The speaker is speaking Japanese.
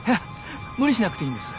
無理しなくていいんです。